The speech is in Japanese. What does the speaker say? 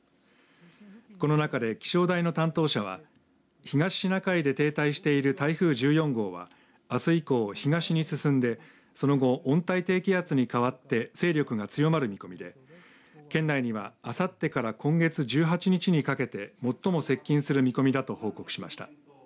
この中で気象台の担当者は東シナ海で停滞している台風１４号はあす以降東に進んでその後、温帯低気圧に変わって勢力が強まる見込みで県内には、あさってから今月１８日にかけて最も接近する見込みだと報告しました。